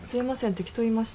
適当言いました。